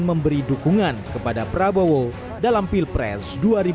memberi dukungan kepada prabowo dalam pilpres dua ribu dua puluh